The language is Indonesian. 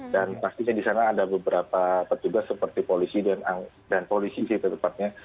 dan pastinya di sana ada beberapa petugas seperti polisi dan polisi sih tepatnya